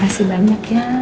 makasih banyak ya